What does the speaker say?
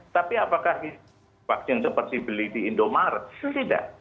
tapi apakah vaksin seperti beli di indomaret itu tidak